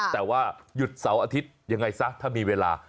แต่ว่าหยุดเสาร์อาทิตย์ยังไงซะถ้ามีเวลา